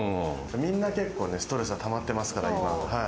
みんな結構ストレス溜まってますから。